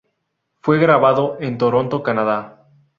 Fue grabado en Toronto, Canadá.